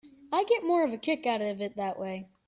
I get more of a kick out of it that way.